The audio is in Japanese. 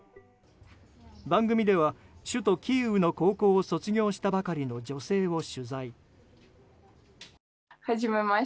番組では首都キーウの高校を卒業したばかりの女性を取材。